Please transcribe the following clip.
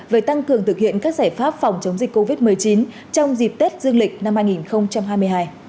về tăng cường thực hiện các giải pháp phòng chống dịch covid một mươi chín trong dịp tết dương lịch năm hai nghìn hai mươi hai